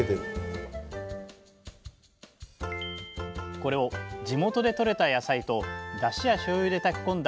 これを地元でとれた野菜とダシやしょうゆで炊き込んだ